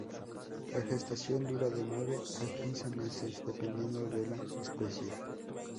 La gestación dura de nueve a quince meses, dependiendo de la especie.